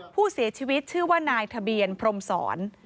ผู้เสียชีวิตชื่อว่านายทะเบียนพรมศร